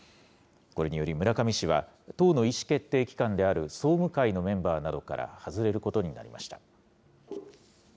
これにより、村上氏は党の意思決定機関である総務会のメンバーなどから外れることになりました。